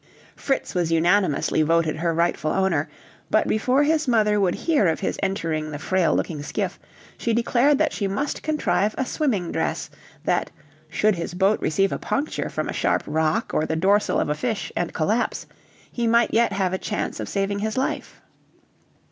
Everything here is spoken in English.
Fritz was unanimously voted her rightful owner, but before his mother would hear of his entering the frail looking skiff she declared that she must contrive a swimming dress, that "should his boat receive a puncture from a sharp rock or the dorsal of a fish and collapse, he might yet have a chance of saving his life."